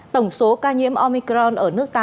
tổng số ca nhiễm omicron ở nước ta